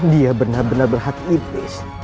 dia benar benar berhati iblis